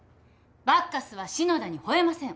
バッカスは篠田に吠えません。